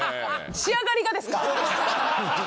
仕上がりがですか？